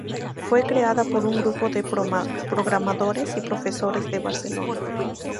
Fue creada por un grupo de programadores y profesores de Barcelona.